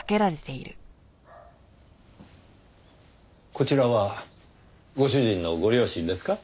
こちらはご主人のご両親ですか？